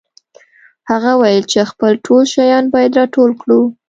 هغه وویل چې خپل ټول شیان باید راټول کړو